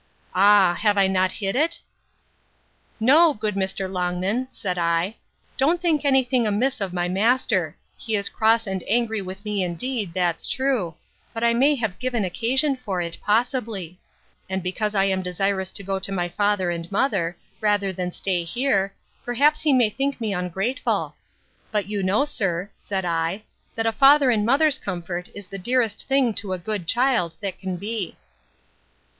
Ah! have I not hit it? No, good Mr. Longman, said I, don't think any thing amiss of my master; he is cross and angry with me indeed, that's true; but I may have given occasion for it, possibly; and because I am desirous to go to my father and mother, rather than stay here, perhaps he may think me ungrateful. But, you know, sir, said I, that a father and mother's comfort is the dearest thing to a good child that can be.